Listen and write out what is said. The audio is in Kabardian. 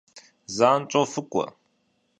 Zanş'eu fık'ue.